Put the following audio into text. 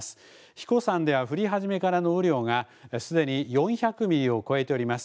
英彦山では降り始めからの雨量が、すでに４００ミリを超えております。